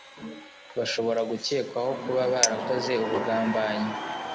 bashobora gukekwaho kuba barakoze ubugambanyi